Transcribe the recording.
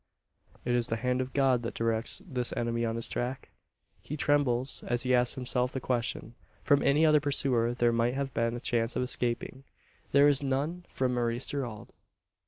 Is it the hand of God that directs this enemy on his track? He trembles as he asks himself the question. From any other pursuer there might have been a chance of escaping. There is none from Maurice Gerald!